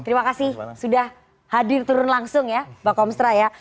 terima kasih sudah hadir turun langsung ya bang komstra ya